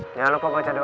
jangan lupa baca doa